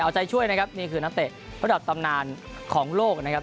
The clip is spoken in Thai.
เอาใจช่วยนะครับนี่คือนักเตะระดับตำนานของโลกนะครับ